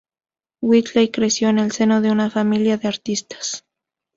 Whitley creció en el seno de una familia de artistas.